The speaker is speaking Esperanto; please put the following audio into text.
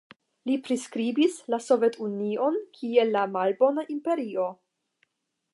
Li priskribis la Sovetunion kiel "la malbona imperio".